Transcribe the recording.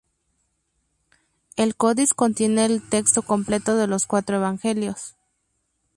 El códice contiene el texto completo de los cuatro Evangelios.